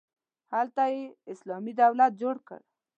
هلته یې اسلامي دولت جوړ کړ.